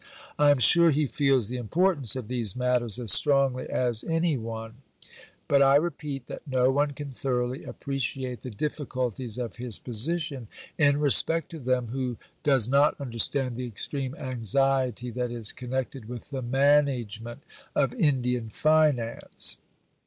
I am sure he feels the importance of these matters as strongly as any one; but I repeat that no one can thoroughly appreciate the difficulties of his position in respect to them who does not understand the extreme anxiety that is connected with the management of Indian finance.